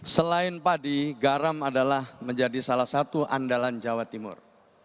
selain padi garam adalah menjadi salah satu andalan jawa timur